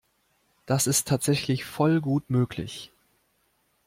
Das ist tatsächlich voll gut möglich.